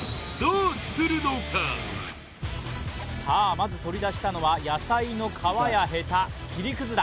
まず取り出したのは野菜の皮やヘタ、切りくずだ。